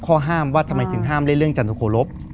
ข้อห้ามว่าทำไมถึงห้ามเล่นเรื่องจันทุโครบ